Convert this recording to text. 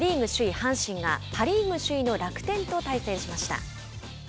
阪神がパ・リーグ首位の楽天と対戦しました。